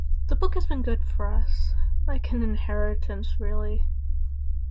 The book has been good for us, like an inheritance, really.